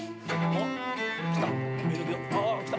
おっ来た！